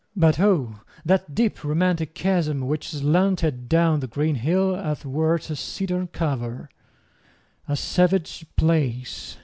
But O, that deep romantic chasm which slanted Down the green hill athwart a cedarn cover! A savage place!